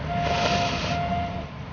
tapi deren pertanyaannya